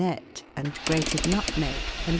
ette, and grated nutmeg, and j lb.